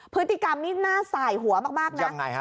พฤติกรรมนี้น่าสายหัวมากนะ